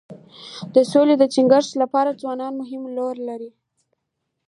د سولې د ټینګښت لپاره ځوانان مهم رول لري.